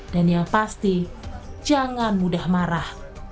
dan yang pasti jangan mudah marah